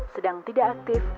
sedang tidak aktif